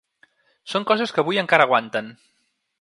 Són coses que avui encara aguanten.